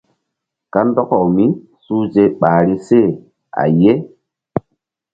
Kandɔkaw mísuhze ɓahri se a ye.